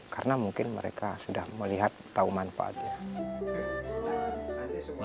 karena mungkin mereka sudah melihat tahu manfaatnya